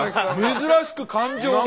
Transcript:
珍しく感情が。